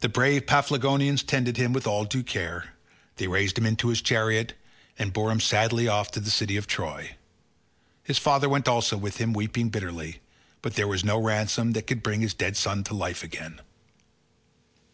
The brave Paphlagonians tended him with all due care; they raised him into his chariot, and bore him sadly off to the city of Troy; his father went also with him weeping bitterly, but there was no ransom that could bring his dead son to life again.